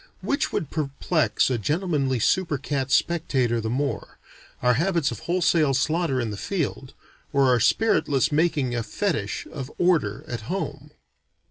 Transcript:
Which would perplex a gentlemanly super cat spectator the more, our habits of wholesale slaughter in the field, or our spiritless making a fetish of "order," at home?